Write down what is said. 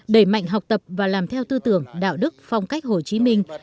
đẩy mạnh học tập và làm theo tư tưởng đạo đức phong cách hồ chí minh